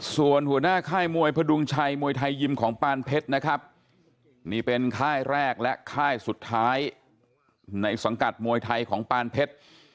ส่วนหัวหน้าค่ายมวยพดุงชัยมวยไทยยิมของปานเพชรนะครับนี่เป็นค่ายแรกและค่ายสุดท้ายในสังกัดมวยไทยของปานเพชร